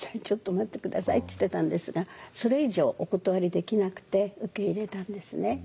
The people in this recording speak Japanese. ちょっと待って下さい」って言ってたんですがそれ以上お断りできなくて受け入れたんですね。